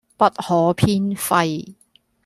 不可偏廢